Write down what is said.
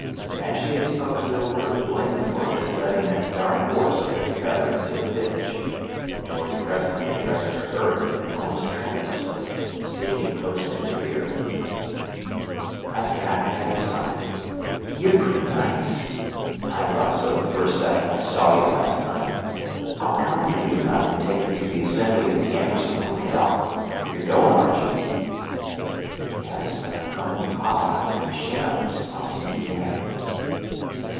And she had spoken no word of blame for his letting that darned horse get the cutter into the ditch. George presently addressed her hurriedly, almost tremulously, speaking close to her ear: "I forgot to tell you something: you're pretty nice! I thought so the first second I saw you last night. I'll come for you tonight and take you to the Assembly at the Amberson Hotel. You're going, aren't you?" "Yes, but I'm going with papa and the Sharons. I'll see you there."